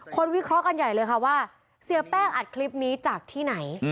วิเคราะห์กันใหญ่เลยค่ะว่าเสียแป้งอัดคลิปนี้จากที่ไหน